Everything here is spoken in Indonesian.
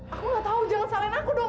aku gak tau jangan salahin aku dong